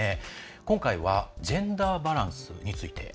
今回はジェンダーバランスについて。